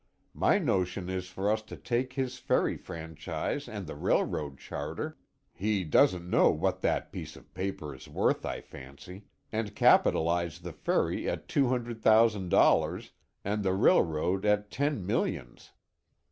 My notion is for us to take his ferry franchise and the railroad charter he doesn't know what that piece of paper is worth, I fancy and capitalize the ferry at two hundred thousand dollars, and the railroad at ten millions.